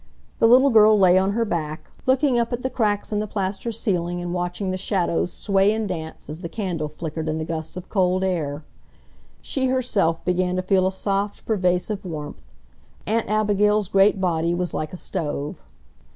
The little girl lay on her back, looking up at the cracks in the plaster ceiling and watching the shadows sway and dance as the candle flickered in the gusts of cold air. She herself began to feel a soft, pervasive warmth. Aunt Abigail's great body was like a stove.